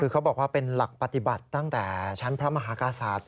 คือเขาบอกว่าเป็นหลักปฏิบัติตั้งแต่ชั้นพระมหากษัตริย์